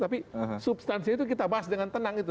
tapi substansi itu kita bahas dengan tenang itu